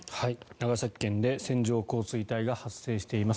長崎県で線状降水帯が発生しています。